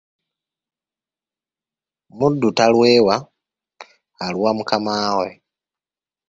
Muddu talwewa, aluwa mukamaawe.